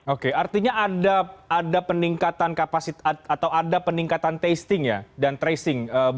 oke artinya ada peningkatan kapasitas atau ada peningkatan testing ya dan tracing